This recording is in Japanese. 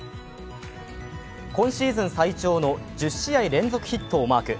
今シーズン最長の１０試合連続ヒットをマーク。